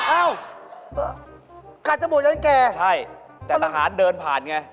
อ้าวกะว่าจะบวชยั้นแก่ใช่แต่ทหารเดินผ่านไง